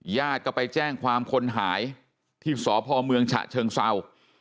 ญาติก็ไปแจ้งความคนหายที่สพเมืองฉะเชิงเศร้า